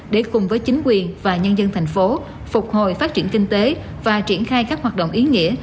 để cùng với chính quyền và nhân dân thành phố phục hồi phát triển kinh tế và triển khai các hoạt động ý nghĩa